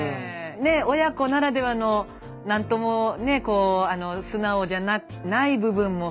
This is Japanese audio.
ね親子ならではの何ともね素直じゃない部分も含めてね